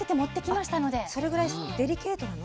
それぐらいデリケートなの？